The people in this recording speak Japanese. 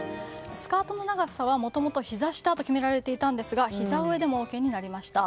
スカートの長さはもともと、ひざ下と決められていたんですがひざ上でもＯＫになりました。